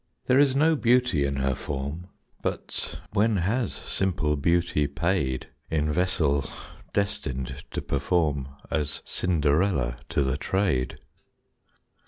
There is no beauty in her form; But when has simple beauty paid In vessel destined to perform As Cinderella to the trade?